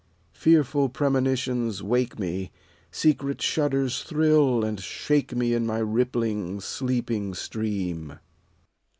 Fearful premonitions wake me, Secret shudders thrill and shake me In my rippUng, sleeping stream.